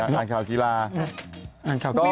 ออกข่าวกีฬาเอาเลยเอาสักหน่อย